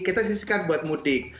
kita sisikan buat mudik